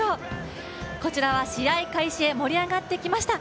こちらは試合開始へ盛り上がってきました。